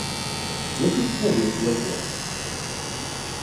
D acu tettnadid swaswa?